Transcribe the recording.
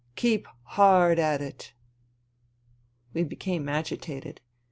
Keep hard at it !" We became agitated.